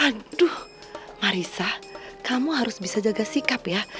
aduh marisa kamu harus bisa jaga sikap ya